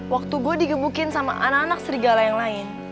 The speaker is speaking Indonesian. waktu gue digebukin sama anak anak serigala yang lain